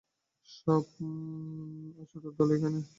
সব আচোদার দল এখানে।